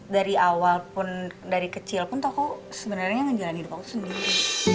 dari awal pun dari kecil pun tuh aku sebenarnya ngejalan hidup aku sendiri